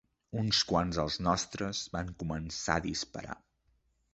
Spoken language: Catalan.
Uns quants dels nostres van començar a disparar